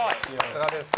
さすがです。